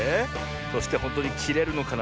そしてほんとにきれるのかな。